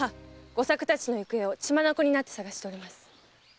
吾作たちの行方を血眼になって捜しております。